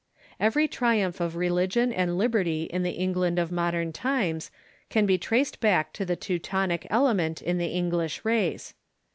Every triumph of religion and liberty in the England of modern times can be traced back to the Teutonic element in the English race.